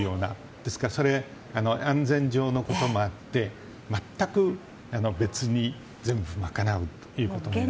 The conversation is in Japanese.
ですから、安全上のこともあって全く別に全部賄うということになります。